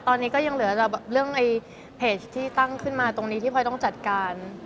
ตอนนี้ก็ยังเหลือแต่เรื่องเพจที่ตั้งขึ้นมาตรงนี้ที่พลอยต้องจัดการ